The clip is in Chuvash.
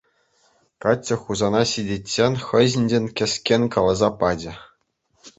Каччӑ Хусана ҫитиччен хӑй ҫинчен кӗскен каласа пачӗ.